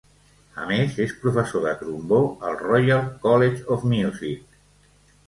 A més, és professor de trombó al Royal College of Music.